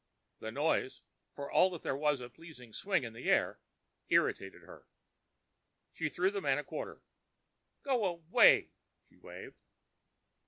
The noise, for all that there was a pleasing swing to the air, irritated her. She threw the man a quarter. "Go away," she waved.